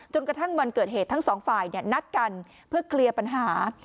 กระทั่งวันเกิดเหตุทั้งสองฝ่ายนัดกันเพื่อเคลียร์ปัญหา